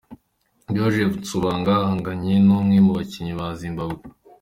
Joseph Nsubuga ahanganye nnumwe mu bakinnyi ba Zimbabwe